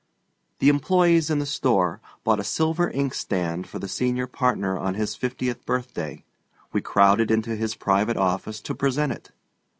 The employees in the store bought a silver inkstand for the senior partner on his fiftieth birthday. We crowded into his private office to present it.